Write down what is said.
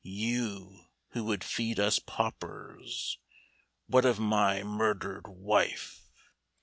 You, who would feast us paupers. What of my murdered wife